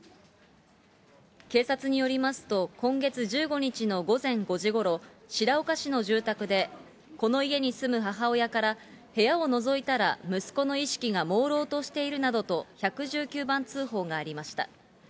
警察によりますと、今月１５日の午前５時ごろ、白岡市の住宅で、この家に住む母親から、部屋をのぞいたら、息子の意識がもうろうとしているなどと、１１９番通報がありました。